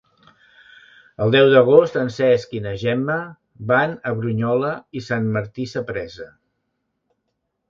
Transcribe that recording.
El deu d'agost en Cesc i na Gemma van a Brunyola i Sant Martí Sapresa.